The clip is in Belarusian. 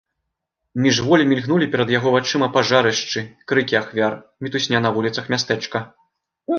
Міжволі мільгнулі перад яго вачыма пажарышчы, крыкі ахвяр, мітусня на вуліцах мястэчка.